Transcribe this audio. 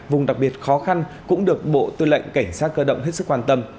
vùng đặc biệt khó khăn cũng được bộ tư lệnh cảnh sát cơ động hết sức quan tâm